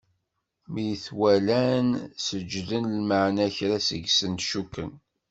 Mi t-walan, seǧǧden, lameɛna kra seg-sen cukken.